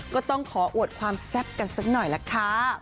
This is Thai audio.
ก็ต้องขออวดความแซ่บกันสักหน่อยล่ะค่ะ